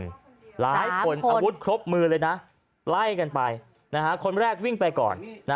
หลายคนอาวุธครบมือเลยนะไล่กันไปคนแรกวิ่งไปก่อน